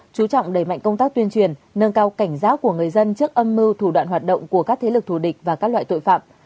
chú trọng đẩy mạnh công tác tuyên truyền nâng cao cảnh giác của người dân trước âm mưu thủ đoạn hoạt động của các thế lực thù địch và các loại tội phạm